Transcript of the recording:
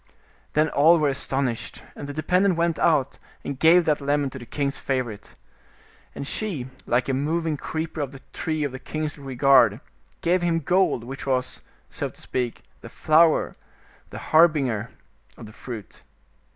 Then all were astonished, and the dependent went out, and gave that lemon to the king's favorite. And she, like a moving creeper of the tree of the king's regard, gave him gold, which was, so to speak, the flower, the harbinger of the fruit.